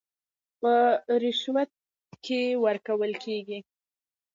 په رشوت کې ورکول کېږي